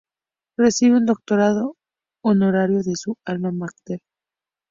Recibe un doctorado honorario de su "alma máter": la "Acadia University".